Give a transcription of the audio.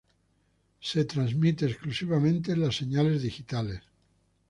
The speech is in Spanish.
Se transmiten exclusivamente las señales digitales.